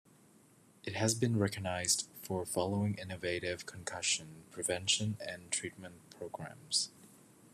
It has been recognized for following innovative concussion prevention and treatment programs.